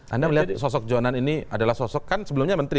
anda melihat sosok jonan ini adalah sosok kan sebelumnya menteri